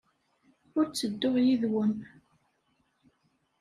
Ur ttedduɣ yid-wen.